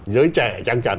giới trẻ chắc chắn